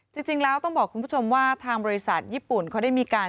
จริงแล้วต้องบอกคุณผู้ชมว่าทางบริษัทญี่ปุ่นเขาได้มีการ